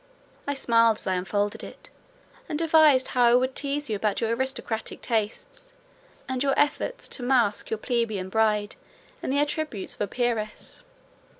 I smiled as I unfolded it, and devised how I would tease you about your aristocratic tastes, and your efforts to masque your plebeian bride in the attributes of a peeress.